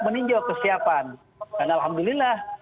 meninjau kesiapan dan alhamdulillah